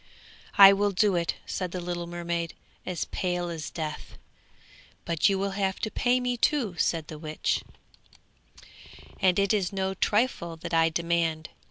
'I will do it,' said the little mermaid as pale as death. 'But you will have to pay me, too,' said the witch, 'and it is no trifle that I demand.